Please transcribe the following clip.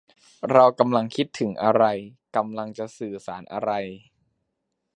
เรากำลังคิดถึงอะไร กำลังจะสื่อสารอะไร